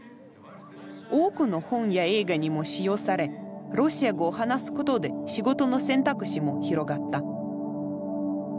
多くの本や映画にも使用されロシア語を話すことで仕事の選択肢も広がった。